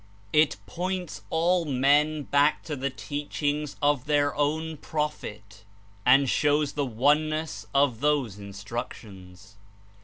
It points all men back to the teachings of their own prophet and shows the oneness of those Instructions.